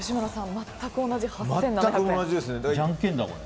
全く同じですね。